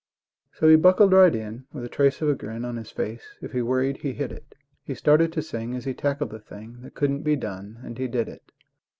So he buckled right in with the trace of a grin On his face. If he worried he hid it. He started to sing as he tackled the thing That couldn't be done, and he did it.